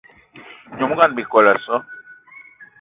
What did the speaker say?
Nyom ngón Bikele o so!